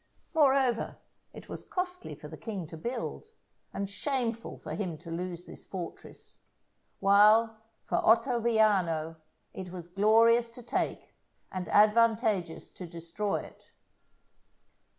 Moreover it was costly for the king to build, and shameful for him to lose this fortress; while for Ottaviano it was glorious to take, and advantageous to destroy it.